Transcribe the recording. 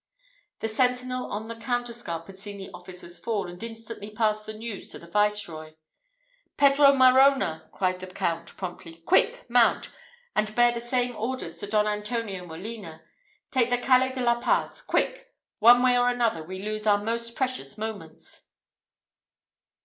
The sentinel on the counterscarp had seen the officer's fall, and instantly passed the news to the Viceroy. "Pedro Marona!" cried the Count, promptly: "Quick! mount, and bear the same orders to Don Antonio Molina. Take the Calle de la Paz. Quick! One way or another, we lose our most precious moments.